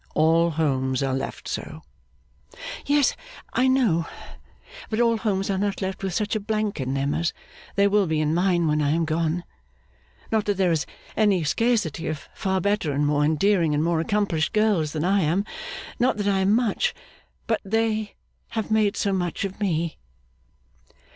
All homes are left so.' 'Yes, I know; but all homes are not left with such a blank in them as there will be in mine when I am gone. Not that there is any scarcity of far better and more endearing and more accomplished girls than I am; not that I am much, but that they have made so much of me!